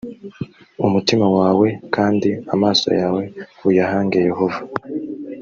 umutima wawe kandi amaso yawe uyahange yehova